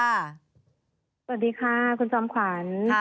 สวัสดีค่ะคุณจอมขวัญ